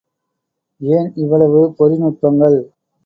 ஏன் இவ்வளவு பொறி நுட்பங்கள்?